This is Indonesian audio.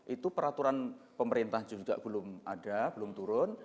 itu peraturan pemerintah juga belum ada belum turun